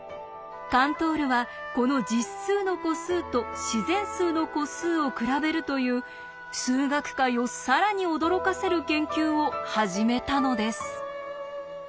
カントールはこの実数の個数と自然数の個数を比べるという数学界を更に驚かせる研究を始めたのです。